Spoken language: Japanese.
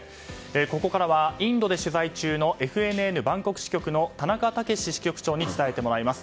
ここからはインドで取材中のＦＮＮバンコク支局の田中剛支局長に伝えてもらいます。